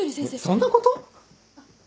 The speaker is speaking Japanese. そんなこと？